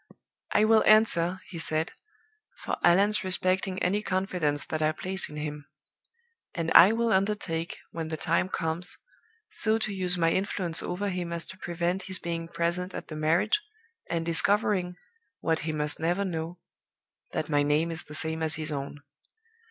"'I will answer,' he said, 'for Allan's respecting any confidence that I place in him. And I will undertake, when the time comes, so to use my influence over him as to prevent his being present at the marriage, and discovering (what he must never know) that my name is the same as his own.